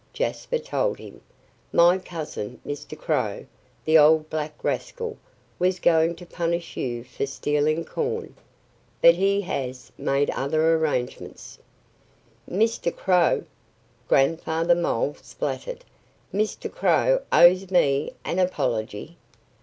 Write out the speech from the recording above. Jasper told him. "My cousin Mr. Crow the old black rascal! was going to punish you for stealing corn. But he has made other arrangements." "Mr. Crow" Grandfather Mole spluttered "Mr. Crow owes me an apology."